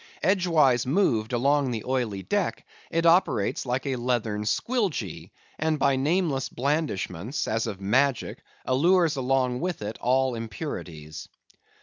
Edgewise moved along the oily deck, it operates like a leathern squilgee; and by nameless blandishments, as of magic, allures along with it all impurities.